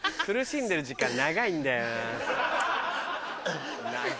苦しんでる時間長いんだよな。